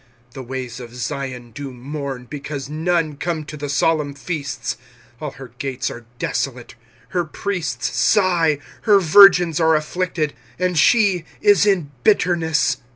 25:001:004 The ways of Zion do mourn, because none come to the solemn feasts: all her gates are desolate: her priests sigh, her virgins are afflicted, and she is in bitterness.